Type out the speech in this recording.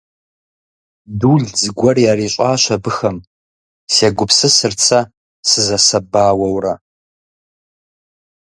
«Дул зыгуэр ярищӀащ абыхэм», – сегупсысырт сэ сызэсэбауэурэ.